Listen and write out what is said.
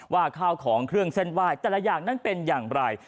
ข้าวของเครื่องเส้นไหว้แต่ละอย่างนั้นเป็นอย่างไร